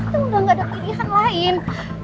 itu udah gak ada pilihan lain